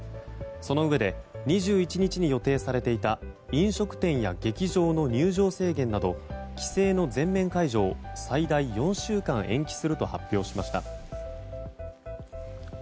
そのうえで２１日に予定されていた飲食店や劇場の入場制限など規制の全面解除を最大４週間延期すると発表しました。